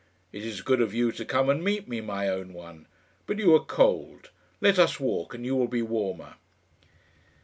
"It is good of you to come and meet me, my own one. But you are cold. Let us walk, and you will be warmer."